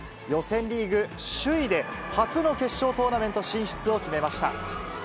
予選リーグ首位で、初の決勝トーナメント進出を決めました。